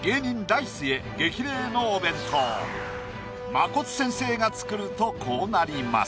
まこつ先生が作るとこうなります。